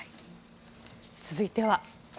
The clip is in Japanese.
続いては。